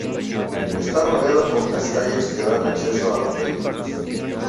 Está rodeada por tres calles que dan acceso a los vehículos.